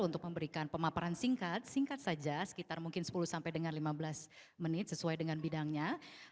untuk memberikan pemaparan singkat singkat saja sekitar mungkin sepuluh sampai dengan lima belas menit sesuai dengan bidangnya